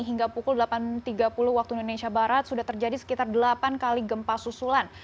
hingga pukul delapan tiga puluh waktu indonesia barat sudah terjadi sekitar delapan kali gempa susulan